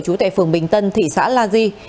chú tại phường bình tân thị xã la di